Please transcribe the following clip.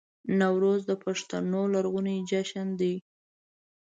نوروز د پښتنو لرغونی جشن دی